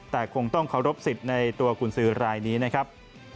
แต่คงต้องเคารพสิทธิ์ในตัวกุญสือรายนี้นะครับ